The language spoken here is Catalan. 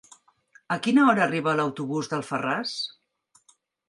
A quina hora arriba l'autobús d'Alfarràs?